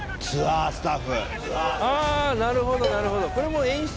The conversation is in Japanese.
あなるほどなるほど。